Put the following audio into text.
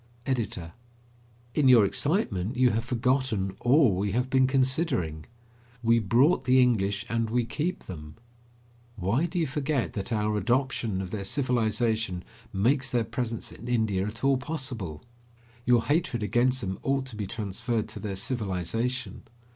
EDITOR: In your excitement, you have forgotten all we have been considering. We brought the English, and we keep them. Why do you forget that our adoption of their civilization makes their presence in India at all possible? Your hatred against them ought to be transferred to their civilization.